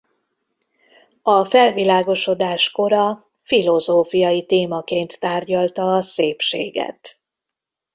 A felvilágosodás kora filozófiai témaként tárgyalta a szépséget.